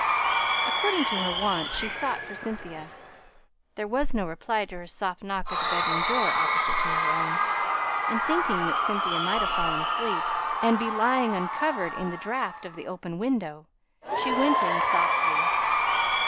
According to her wont, she sought for Cynthia; there was no reply to her soft knock at the bedroom door opposite to her own, and, thinking that Cynthia might have fallen asleep, and be lying uncovered in the draught of the open window, she went in softly.